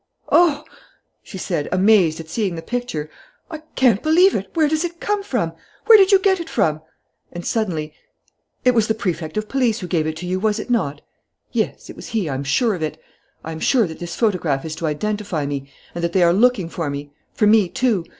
"Oh!" she said, amazed at seeing the picture. "I can't believe it! Where does it come from? Where did you get it from?" And, suddenly, "It was the Prefect of Police who gave it to you, was it not? Yes, it was he, I'm sure of it. I am sure that this photograph is to identify me and that they are looking for me, for me, too.